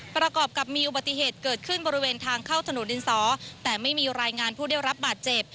ประกอบกับมีอุบัติเหตุเกิดขึ้นบริเวณทางเข้าถนนดินสอแต่ไม่มีรายงานผู้ได้รับบาดเจ็บ